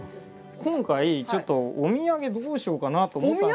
今回ちょっとお土産どうしようかなと思ったんですけど。